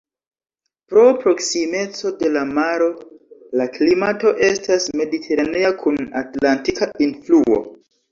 Pro proksimeco de la maro, la klimato estas mediteranea kun atlantika influo.